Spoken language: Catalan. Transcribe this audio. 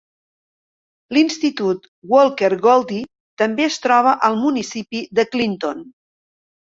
L'institut Walker Goldie també es troba al municipi de Clinton.